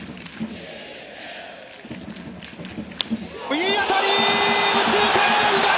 いい当たり！